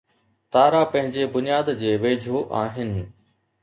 تارا پنهنجي بنياد جي ويجهو آهن